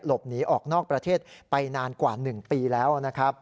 หลบหนีออกนอกประเทศไปนานกว่า๑ปีแล้วนะครับ